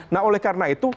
nah oleh karena itu